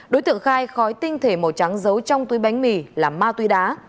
đối tượng khai khói tinh thể màu trắng giấu trong túi bánh mì là ma túy đá